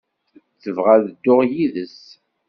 Tebɣa ad dduɣ yid-s.